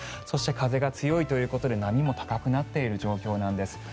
そして風が強いということで波も高くなっている状況です。